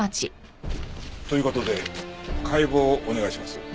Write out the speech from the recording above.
という事で解剖をお願いします。